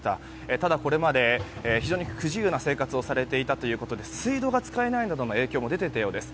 ただ、これまで非常に不自由な生活をされていたということで水道が使えない影響も出ていたようです。